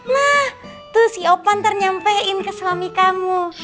nah tuh si opa ntar nyampein ke suami kamu